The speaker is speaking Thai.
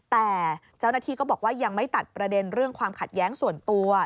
แต่เจ้าหน้าที่ก็บอกว่ายังไม่ตัดประเด็นเรื่องความขัดแย้งส่วนตัว